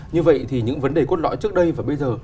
như vậy thì những vấn đề cốt lõi trước đây và bây giờ